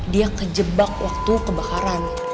dia kejebak waktu kebakaran